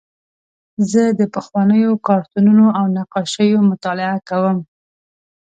زه د پخوانیو کارتونونو او نقاشیو مطالعه کوم.